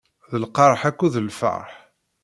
I lqerḥ akked lferḥ.